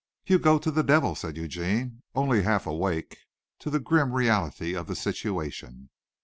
"You go to the devil," said Eugene, only half awake to the grim reality of the situation.